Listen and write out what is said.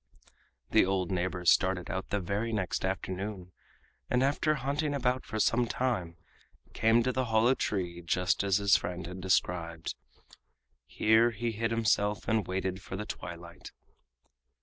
The old neighbor started out the very next afternoon, and after hunting about for some time, came to the hollow tree just as his friend had described. Here he hid himself and waited for the twilight.